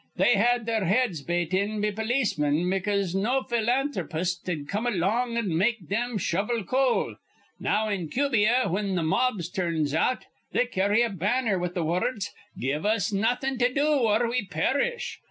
They had their heads bate in be polismen because no philan thropist'd come along an' make thim shovel coal. Now, in Cubia, whin th' mobs turns out, they carry a banner with the wurruds, 'Give us nawthin' to do, or we perish.'